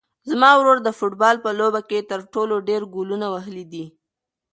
زما ورور د فوټبال په لوبه کې تر ټولو ډېر ګولونه وهلي دي.